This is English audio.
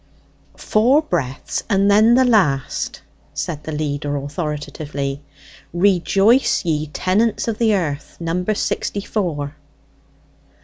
"Four breaths, and then the last," said the leader authoritatively. "'Rejoice, ye Tenants of the Earth,' number sixty four."